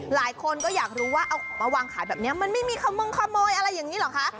หลายคนก็อยากรู้ว่าเอามาวางขายแบบนี้มันไม่มีขมงขโมยอะไรอย่างนี้เหรอคะ